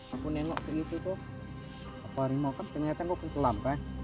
aku nengok ke situ aku harimau kan ternyata aku kelam